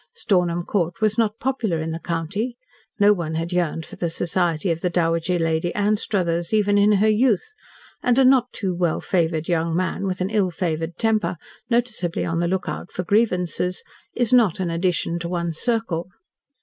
Stornham Court was not popular in the county; no one had yearned for the society of the Dowager Lady Anstruthers, even in her youth; and a not too well favoured young man with an ill favoured temper, noticeably on the lookout for grievances, is not an addition to one's circle.